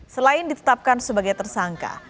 selain ditetapkan sebagai tersangka